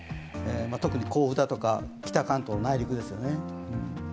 特に甲府とか北関東内陸ですよね。